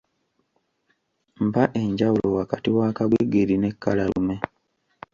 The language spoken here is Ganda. Mpa enjawulo wakati wa kagwigiri n’ekkalalume.